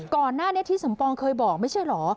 ก่อนหน้านี้ที่สมปองเคยบอกไม่ใช่เหรอ